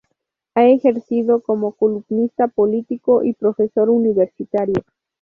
Ha ejercido como columnista, político y profesor universitario.